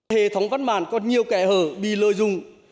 hệ thống văn bản còn nhiều kẻ hở bị lợi dụng